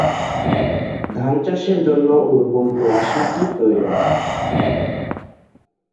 ধানচাষের জন্য উর্বর দোআঁশ মাটি প্রয়ােজন।